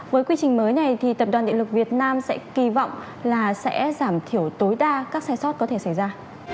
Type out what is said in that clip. với quy trình mới này thì tập đoàn địa lực việt nam sẽ kỳ vọng là sẽ giảm thiểu tối đa các sai sót có thể xảy ra